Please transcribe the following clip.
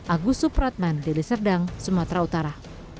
agus supratman dede serdang sumatera utara